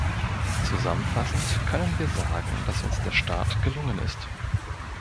Zusammenfassend können wir sagen, dass uns der Start gelungen ist.